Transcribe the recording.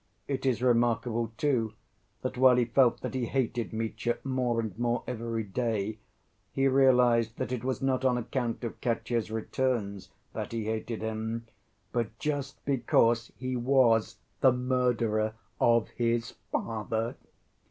It is remarkable, too, that while he felt that he hated Mitya more and more every day, he realized that it was not on account of Katya's "returns" that he hated him, but just because he was the murderer of his father.